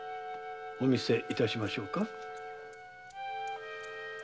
お見せいたしましょうか？